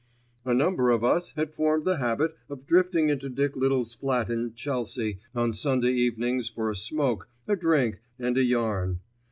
A number of us had formed the habit of drifting into Dick Little's flat in Chelsea on Sunday evenings for a smoke, a drink and a yarn.